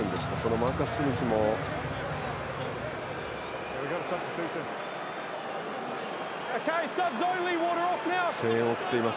マーカス・スミスも声援を送っています。